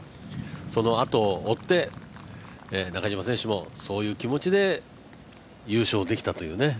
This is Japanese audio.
そのあとを追って中島選手もそういう気持ちで優勝できたというね。